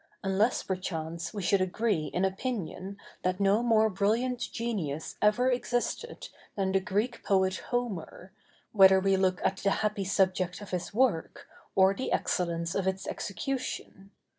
Unless perchance we should agree in opinion that no more brilliant genius ever existed than the Greek poet Homer, whether we look at the happy subject of his work, or the excellence of its execution.